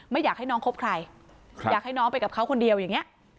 ไม่อยากให้น้องคบใครอยากให้น้องไปกับเขาคนเดียวอย่างนี้